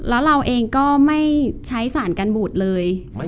แล้วเราเองก็ไม่ใช้สารกันบูดเลย